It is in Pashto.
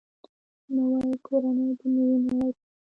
نوې کورنۍ د نوې نړۍ پیل وي